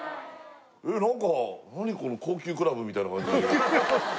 えっ何か何この高級クラブみたいな感じ